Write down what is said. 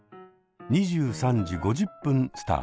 ２３時５０分スタートです。